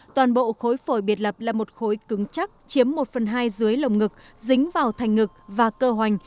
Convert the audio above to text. toàn bộ khối phổi biệt lập là một khối cứng chắc chiếm một phần hai dưới lồng ngực dính vào thành ngực và cơ hoành